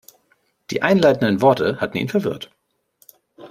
Die einleitenden Worte hatten ihn verwirrt.